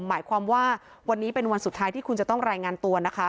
หมายความว่าวันนี้เป็นวันสุดท้ายที่คุณจะต้องรายงานตัวนะคะ